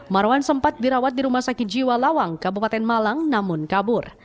marwan sempat dirawat di rumah sakit jiwa lawang kabupaten malang namun kabur